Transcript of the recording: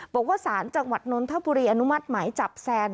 บอกว่าสารจังหวัดนนทบุรีอนุมัติหมายจับแซน